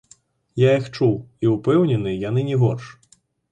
Я іх чуў, і, упэўнены, яны не горш.